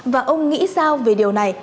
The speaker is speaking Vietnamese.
và ông nghĩ sao về điều này